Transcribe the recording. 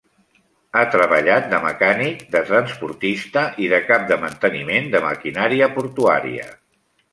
Ha treballat de mecànic, de transportista i de cap de manteniment de maquinària portuària.